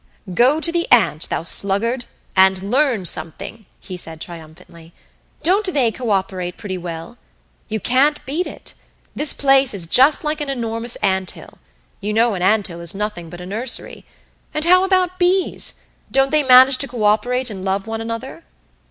"'Go to the ant, thou sluggard' and learn something," he said triumphantly. "Don't they cooperate pretty well? You can't beat it. This place is just like an enormous anthill you know an anthill is nothing but a nursery. And how about bees? Don't they manage to cooperate and love one another?